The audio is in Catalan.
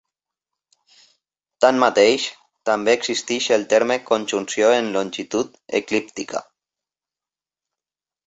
Tanmateix, també existeix el terme conjunció en longitud eclíptica.